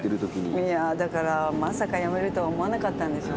いやーだからまさか辞めるとは思わなかったんでしょうね。